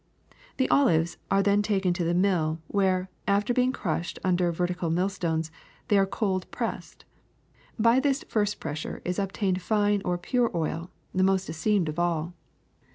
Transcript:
The olives are taken to the mill, where, after be ing crushed under vertical millstones, they are cold pressed. By this first pressure is obtained fine or pure oil, the most esteemed of all.